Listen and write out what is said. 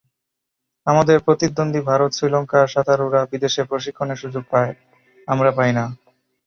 আমাদের প্রতিদ্বন্দ্বী ভারত-শ্রীলঙ্কার সাঁতারুরা বিদেশে প্রশিক্ষণের সুযোগ পায়, আমরা পাই না।